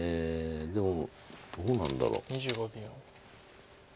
でもどうなんだろう。